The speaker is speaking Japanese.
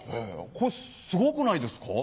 これすごくないですか？